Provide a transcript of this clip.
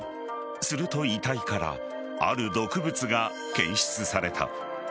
すると、遺体からある毒物が検出された。